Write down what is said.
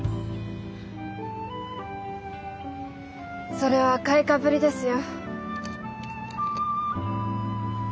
それは買いかぶりですよ。